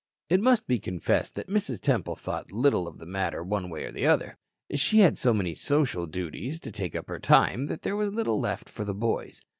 It must be confessed that Mrs. Temple thought little of the matter one way or the other. She had so many social duties to take up her time that there was little left for the boys.